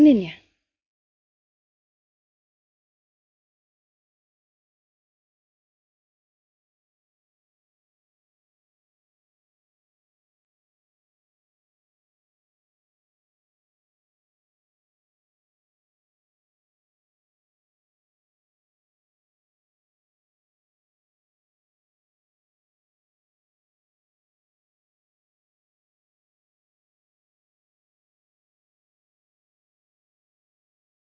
senyum aja bibiri